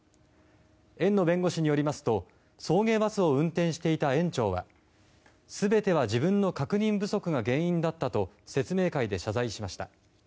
園の弁護士によりますと送迎バスを運転していた園長は全ては自分の確認不足が原因だったと説明会で謝罪しました。